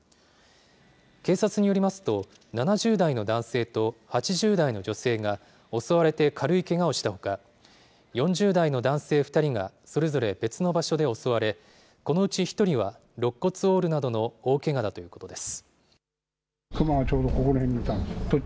警察によりますと、７０代の男性と８０代の女性が、襲われて軽いけがをしたほか、４０代の男性２人がそれぞれ別の場所で襲われ、このうち１人はろっ骨を折るなどの大けがだということです。